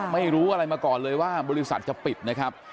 ไม่รู้อะไรมาก่อนเลยว่าบริษัทจะปิดนะครับ